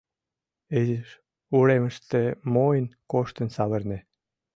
Изиш уремыште мойн коштын савырне.